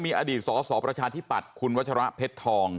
มีอดีตศศประชาณธิปัตรคุณวจระเพชรทอง